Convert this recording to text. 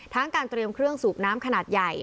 การเตรียมเครื่องสูบน้ำขนาดใหญ่